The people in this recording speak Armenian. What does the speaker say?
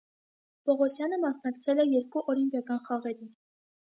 Պողոսյանը մասնակցել է երկու օլիմպիական խաղերի։